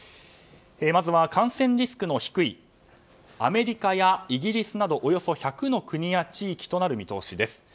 まずは感染リスクの低いアメリカやイギリスなどおよそ１００の国や地域となる見通しです。